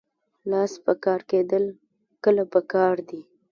لاس په کار کیدل کله پکار دي؟